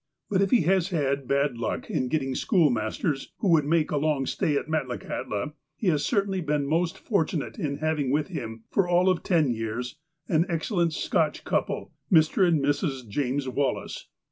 But if he has had bad luck in getting schoolmasters, who would make a long stay at Metlakahtla, he has cer tainly been most fortunate in haviug with him, for all of ten years, an excellent Scotch couple, Mr. and Mrs. James Wallace.